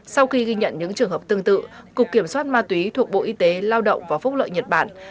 sau khi ghi nhận những trường hợp tương tự cục kiểm soát ma túy thuộc bộ y tế lao động và phúc lợi nhật bản